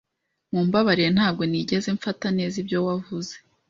Mumbabarire ntabwo nigeze mfata neza ibyo wavuze.